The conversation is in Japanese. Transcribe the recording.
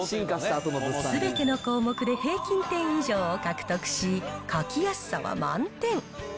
すべての項目で平均点以上を獲得し、書きやすさは満点。